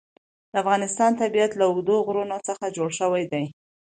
د افغانستان طبیعت له اوږده غرونه څخه جوړ شوی دی.